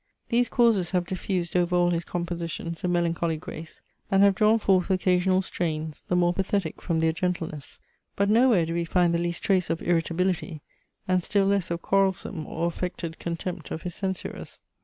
These causes have diffused over all his compositions "a melancholy grace," and have drawn forth occasional strains, the more pathetic from their gentleness. But no where do we find the least trace of irritability, and still less of quarrelsome or affected contempt of his censurers.